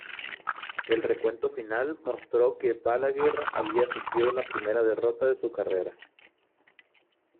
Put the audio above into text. El recuento final mostró que Balaguer había sufrido la primera derrota de su carrera.